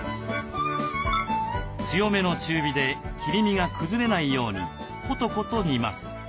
強めの中火で切り身が崩れないようにコトコト煮ます。